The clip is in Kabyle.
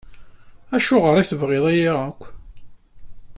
Acuɣer i tebɣiḍ aya akk?